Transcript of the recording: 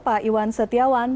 pak iwan setiawan